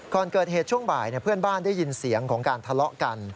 ก่อนเกิดเหตุช่วงบ่ายเพื่อนบ้านได้ยินเสียงของการทะเลาะกัน